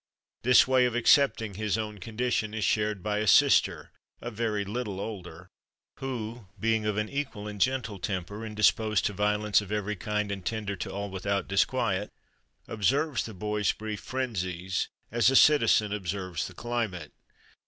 This way of accepting his own conditions is shared by a sister, a very little older, who, being of an equal and gentle temper, indisposed to violence of every kind and tender to all without disquiet, observes the boy's brief frenzies as a citizen observes the climate.